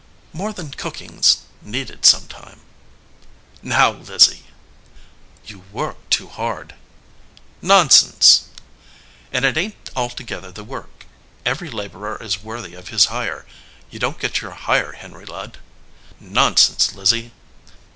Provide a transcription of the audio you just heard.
"More than cookin s needed sometimes." "Now, Lizzie!" "You work too hard/ "Nonsense!" "And it ain t altogether the work. Every la borer is worthy of his hire. You don t get your hire, Henry Ludd." "Nonsense, Lizzie!"